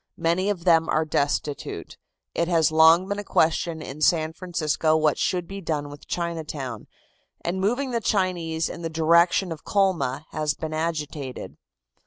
Many of them are destitute. It has long been a question in San Francisco what should be done with Chinatown, and moving the Chinese in the direction of Colma has been agitated.